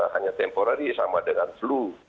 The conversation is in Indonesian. hanya temporary sama dengan flu